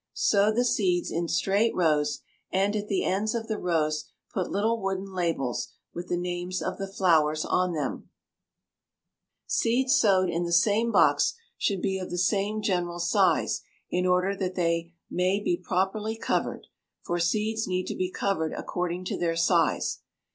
Sow the seeds in straight rows, and at the ends of the rows put little wooden labels with the names of the flowers on them. [Illustration: FIG. 101. THE CARNATION (ELDORADO)] Seeds sowed in the same box should be of the same general size in order that they may be properly covered, for seeds need to be covered according to their size.